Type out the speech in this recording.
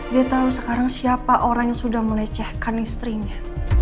dia tahu sekarang siapa orang yang sudah melecehkan istrinya